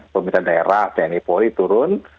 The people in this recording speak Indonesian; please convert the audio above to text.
pemerintah daerah tni polri turun